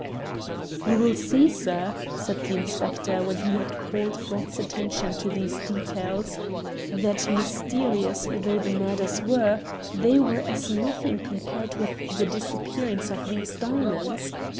"You will see, sir," said the inspector, when he had called Brett's attention to these details, "that mysterious though the murders were, they were as nothing compared with the disappearance of the diamonds.